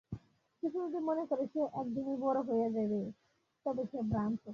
শিশু যদি মনে করে, সে একদিনেই বড় হইয়া যাইবে, তবে সে ভ্রান্ত।